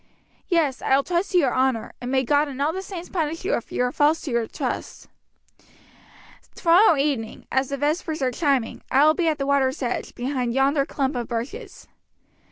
Yes, I will trust to your honour; and may God and all the saints punish you if you are false to the trust! Tomorrow evening, as the vespers are chiming, I will be at the water's edge, behind yonder clump of bushes."